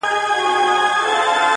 کلي کي سړه فضا خپره ده,